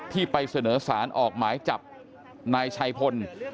ที่ไปเสนอสารออกหมายจับนายชัยพล